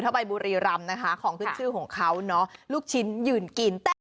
ไปบุรีรำนะคะของขึ้นชื่อของเขาเนอะลูกชิ้นยืนกิน